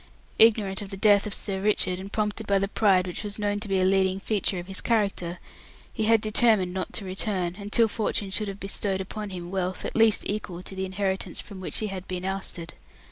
Ignorant of the death of Sir Richard, and prompted by the pride which was known to be a leading feature of his character, he had determined not to return until fortune should have bestowed upon him wealth at least equal to the inheritance from which he had been ousted.